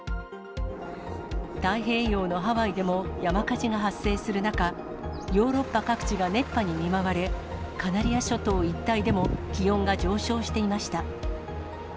太平洋のハワイでも山火事が発生する中、ヨーロッパ各地が熱波に見舞われ、カナリア諸島一帯でも気温が上昇していました。